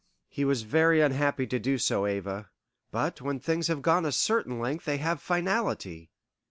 "He was very unhappy to do so, Ava. But when things have gone a certain length they have fatality.